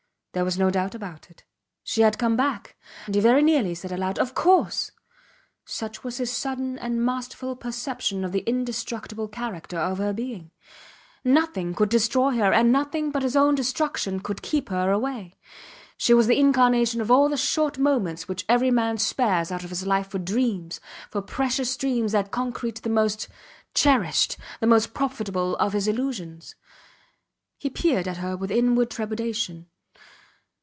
There was no doubt about it. She had come back! And he very nearly said aloud Of course! such was his sudden and masterful perception of the indestructible character of her being. Nothing could destroy her and nothing but his own destruction could keep her away. She was the incarnation of all the short moments which every man spares out of his life for dreams, for precious dreams that concrete the most cherished, the most profitable of his illusions. He peered at her with inward trepidation.